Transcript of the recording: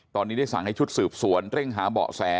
ตอนนี้ได้สั่งให้ชุดสืบสวนเร่งหาเบาะแส